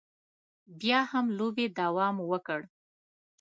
بیا هم لوبې دوام وکړ.